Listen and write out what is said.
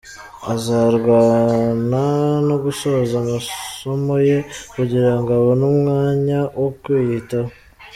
Azarwana no gusoza amasomoye kugirango abone umwanya wo kwiyitaho.